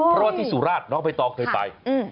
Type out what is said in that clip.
เพราะว่าที่สุราชน้องใบตองเคยไป